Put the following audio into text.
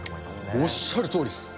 おっしゃるとおりです。